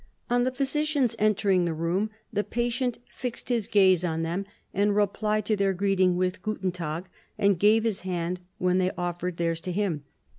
On the physicians' entering the room, the patient fixed his gaze on them, and replied to their greeting with "Guten Tag," and gave his hand when they offered theirs to him.